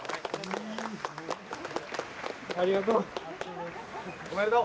ありがとう。